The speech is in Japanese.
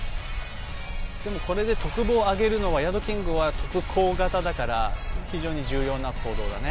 でもこれでとくぼう上げるのはヤドキングはとくこう型だから非常に重要な行動だね。